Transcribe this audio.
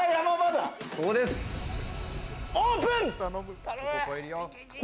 オープン！